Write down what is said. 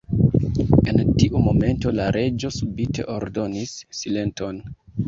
En tiu momento la Reĝo subite ordonis "Silenton!"